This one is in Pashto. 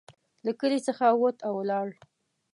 له کلي څخه ووت او ولاړ.